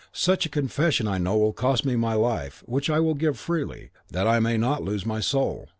Such a confession I know will cost me my life, which I will give freely, that I may not lose my soul.